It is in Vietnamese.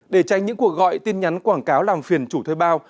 để tránh những cuộc gọi tin nhắn quảng cáo làm phiền chủ thuê bao